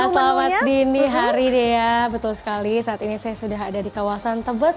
selamat dini hari dea betul sekali saat ini saya sudah ada di kawasan tebet